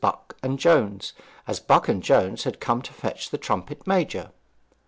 Buck and Jones, as Buck and Jones had come to fetch the trumpet major.